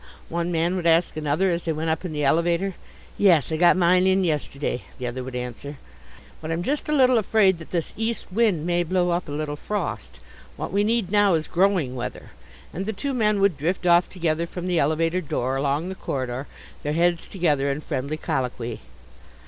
one man would ask another as they went up in the elevator. "Yes, I got mine in yesterday," the other would answer, "But I'm just a little afraid that this east wind may blow up a little frost. What we need now is growing weather." And the two men would drift off together from the elevator door along the corridor, their heads together in friendly colloquy.